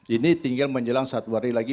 ini tinggal menjelang satu hari lagi